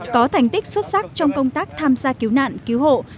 có thành tích xuất sắc trong công tác tham gia cứu nạn cứu hộ